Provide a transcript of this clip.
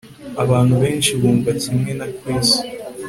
Abantu benshi bumva kimwe na Chris